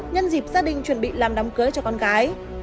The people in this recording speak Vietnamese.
nhân dịp gia đình chuẩn bị làm đóng cưới cho con gái